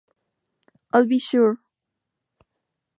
Al B. Sure!